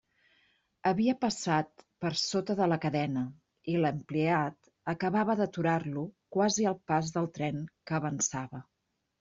Havia passat per sota de la cadena, i l'empleat acabava d'aturar-lo quasi al pas del tren que avançava.